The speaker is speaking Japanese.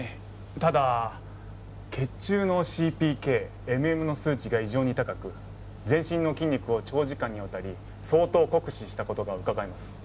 ただ血中のＣＰＫＭＭの数値が異常に高く全身の筋肉を長時間にわたり相当酷使した事がうかがえます。